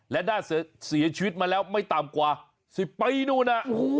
และน่าเสียชีวิตมาแล้วไม่ต่ำกว่า๑๐ปีนู่นน่ะ